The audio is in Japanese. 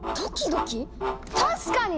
確かに！